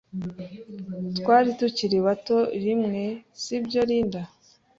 Twari tukiri bato rimwe, si byo, Linda?